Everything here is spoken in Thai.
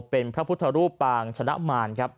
เป็นพระพุทธรูปปางชนะมารครับ